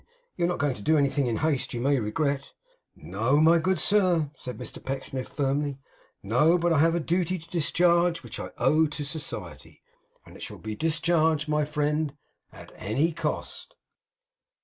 You are not going to do anything in haste, you may regret!' 'No, my good sir,' said Mr Pecksniff, firmly, 'No. But I have a duty to discharge which I owe to society; and it shall be discharged, my friend, at any cost!